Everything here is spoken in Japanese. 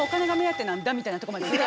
みたいなとこまでいって。